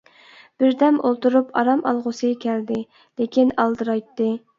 بىردەم ئولتۇرۇپ ئارام ئالغۇسى كەلدى، لېكىن ئالدىرايتتى.